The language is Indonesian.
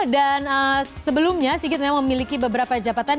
dan sebelumnya sigit memang memiliki beberapa jabatan